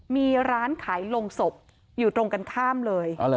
มีร้านขายลงศพอยู่ตรงกันข้ามเลย